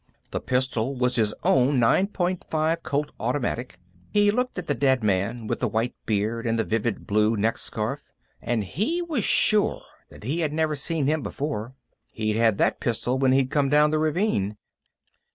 The pistol was his own 9.5 Colt automatic. He looked at the dead man, with the white beard and the vivid blue neck scarf, and he was sure that he had never seen him before. He'd had that pistol when he'd come down the ravine....